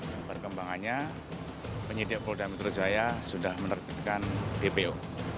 yang perkembangannya penyidik polda metro jaya sudah menerbitkan dpo